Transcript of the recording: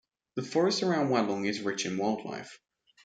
The forest around Walong is rich in wildlife.